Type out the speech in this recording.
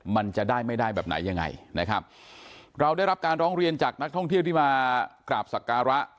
มันจะได้ไม่ได้แบบไหนยังไงนะครับเราได้รับการร้องเรียนจากนักท่องเที่ยวที่มากราบสักการะ